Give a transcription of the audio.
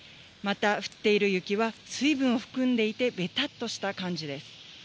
また降っている雪は水分を含んでいて、べたっとした感じです。